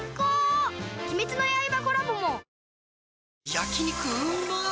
焼肉うまっ